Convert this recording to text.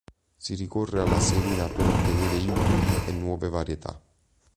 Si ricorre alla semina per ottenere ibridi o nuove varietà.